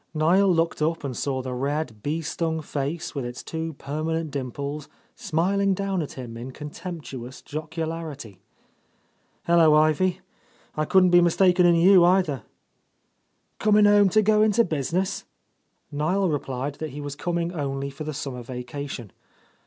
Niel looked up and saw the red, bee stung face, with its two permanent dimples, smiling down at him in contemptuous jocularity. — 103 — A Lost Lady "Hello^ Ivy. 1 couldn't Be mistaken in you, either." "Coming home to go into business?" Niel replied that he was coming only for the summer vacation.